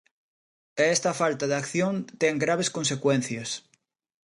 E esta falta de acción ten graves consecuencias.